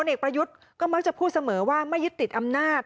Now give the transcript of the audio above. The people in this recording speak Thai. เอกประยุทธ์ก็มักจะพูดเสมอว่าไม่ยึดติดอำนาจ